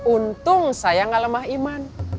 untung saya gak lemah iman